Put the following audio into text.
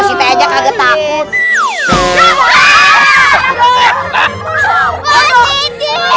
gimana dia yang takutnya